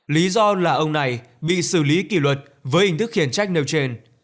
lý do là ông này bị xử lý kỷ luật với hình thức khiển trách nêu trên